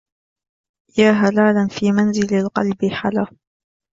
يا هلالا في منزل القلب حلا